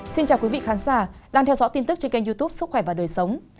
xin chào quý vị khán giả đang theo dõi tin tức trên kênh youtube sức khỏe và đời sống